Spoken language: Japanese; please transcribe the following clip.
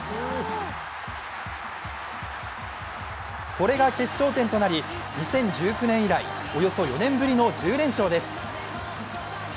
これが決勝点となり２０１９年以来およそ４年ぶりの１０連勝です。